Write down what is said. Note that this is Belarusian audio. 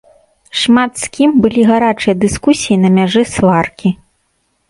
Шмат з кім былі гарачыя дыскусіі на мяжы сваркі.